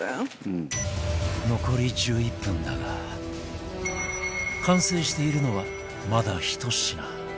残り１１分だが完成しているのはまだ１品